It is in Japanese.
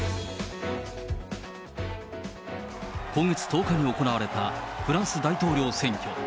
今月１０日に行われたフランス大統領選挙。